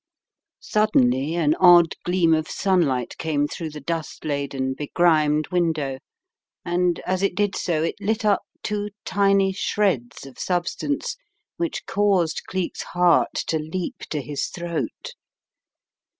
Suddenly an odd gleam of sunlight came through the dust laden, begrimed window, and as it did so, it lit up two tiny shreds of substance which caused Cleek's heart to leap to his throat.